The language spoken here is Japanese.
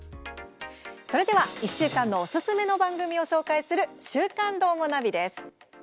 それでは１週間のおすすめ番組を紹介する「週刊どーもナビ」です。